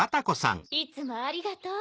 いつもありがとう。